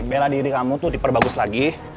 bela diri kamu tuh diperbagus lagi